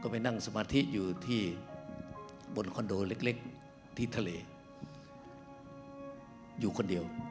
ไปนั่งสมาธิอยู่ที่บนคอนโดเล็กที่ทะเลอยู่คนเดียว